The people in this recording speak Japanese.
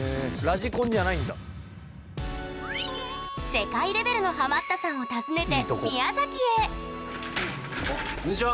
世界レベルのハマったさんを訪ねて宮崎へこんにちは！